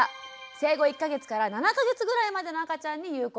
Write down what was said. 生後１か月から７か月ぐらいまでの赤ちゃんに有効なんだそうです。